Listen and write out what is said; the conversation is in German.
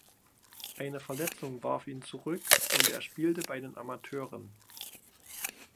Eine Verletzung warf ihn zurück und er spielte bei den Amateuren.